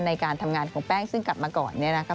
ในการทำงานของแป๊งซึ่งกลับมาก่อนเนี่ยนะครับ